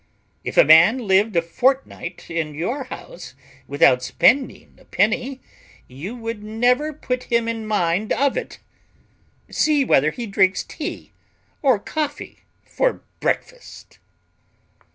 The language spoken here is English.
If a man lived a fortnight in your house without spending a penny, you would never put him in mind of it. See whether he drinks tea or coffee for breakfast."